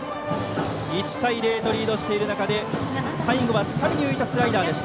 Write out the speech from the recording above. １対０とリードしている中で最後は高めに浮いたスライダー。